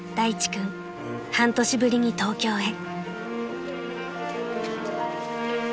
君半年ぶりに東京へ］